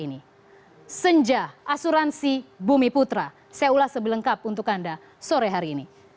ini senja asuransi bumi putra saya ulas sebelengkap untuk anda sore hari ini